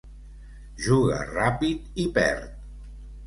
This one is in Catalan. Juga ràpid i perd.